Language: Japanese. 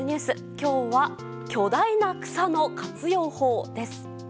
今日は巨大な草の活用法です。